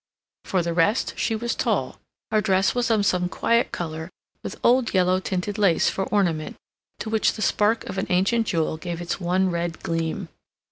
For the rest, she was tall; her dress was of some quiet color, with old yellow tinted lace for ornament, to which the spark of an ancient jewel gave its one red gleam.